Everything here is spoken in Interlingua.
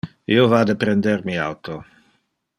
Io vade a prender mi auto.